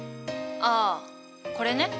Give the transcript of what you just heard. ああこれね。